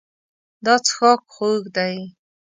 دا څښاک خوږ دی.